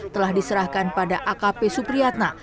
telah diserahkan pada akp supriyatna